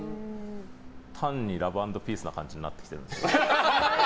単にラブ＆ピースな感じになってきてるんですよ。